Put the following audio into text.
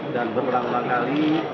dan berulang ulang kali